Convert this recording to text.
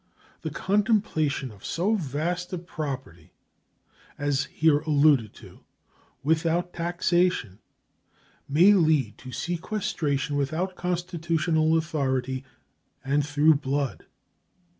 The contemplation of so vast a property as here alluded to, without taxation, may lead to sequestration without constitutional authority and through blood.